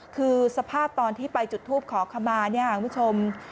คือสภาพตอนที่ไปจุดทูปขอขมาเนี่ยคุณผู้ชม